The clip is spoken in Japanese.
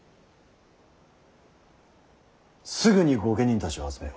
すぐに御家人たちを集めよ。